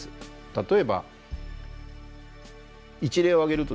例えば一例を挙げるとですね